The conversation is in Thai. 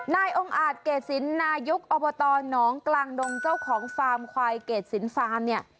นายองค์อาจเกรดสินนายกอบตหนองกลางดงเจ้าของฟาร์มควายเกรดสินฟาร์มเนี่ย